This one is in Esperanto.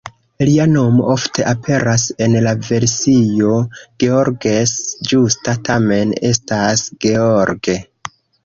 Lia nomo ofte aperas en la versio "Georges"; ĝusta tamen estas "George".